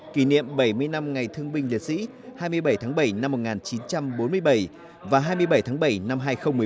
kỷ niệm bảy mươi năm ngày thương binh liệt sĩ hai mươi bảy tháng bảy năm một nghìn chín trăm bốn mươi bảy và hai mươi bảy tháng bảy năm hai nghìn một mươi bốn